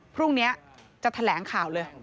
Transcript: พรุ่งนี้จะแถลงข่าวเลย